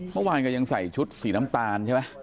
เมื่อวานก็ยังใส่ชุดสีน้ำตาลใช่ไหม